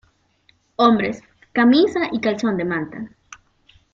Hombres: Camisa y calzón de manta.